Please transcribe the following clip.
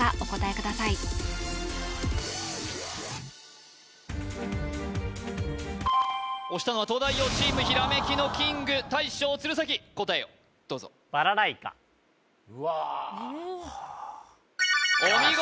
ください押したのは東大王チームひらめきのキング大将鶴崎答えをどうぞうわお見事！